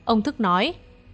ông thức nói